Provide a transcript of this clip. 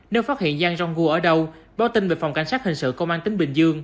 nếu phát hiện giang rong gu ở đâu báo tin về phòng cảnh sát hình sự công an tỉnh bình dương